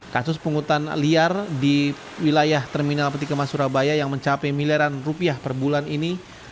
kasus penghutan liar di wilayah terminal petikemas surabaya yang mencapai miliaran rupiah per bulan ini